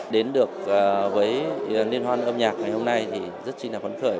đến được với liên hoa âm nhạc ngày hôm nay thì rất xinh đẹp vấn khởi